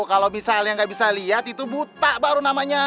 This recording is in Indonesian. kalau bisa yang gak bisa liat itu buta baru namanya